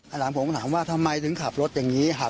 อาหลังผมถามว่าทำไมถึงขับรถอย่างนี้